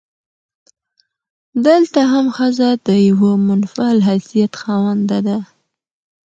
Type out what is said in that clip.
دلته هم ښځه د يوه منفعل حيثيت خاونده ده.